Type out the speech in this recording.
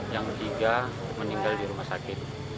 yang tiga meninggal di rumah sakit